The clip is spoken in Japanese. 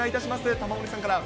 玉森さんから。